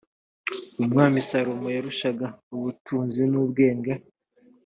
umwami salomo yarushaga ubutunzi n ubwenge